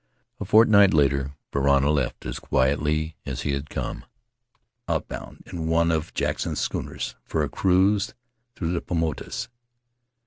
A fortnight later Varana left as quietly as he had come — outbound in one of Jackson's schooners for a cruise through the Paumotus.